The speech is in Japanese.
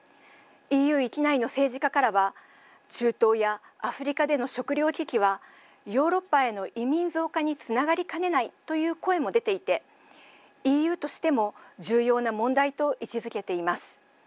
ＥＵ域内の政治家からは中東やアフリカでの食糧危機はヨーロッパへの移民増加につながりかねないという声も出ていてＥＵとしても重要な問題と位置づけています。